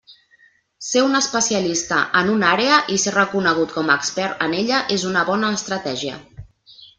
Ser un especialista en una àrea i ser reconegut com a expert en ella és una bona estratègia.